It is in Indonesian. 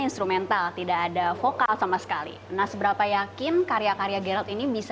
instrumental tidak ada vokal sama sekali nah seberapa yakin karya karya gerald ini bisa